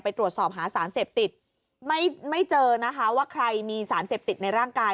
ตรวจสอบหาสารเสพติดไม่ไม่เจอนะคะว่าใครมีสารเสพติดในร่างกาย